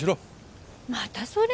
またそれ？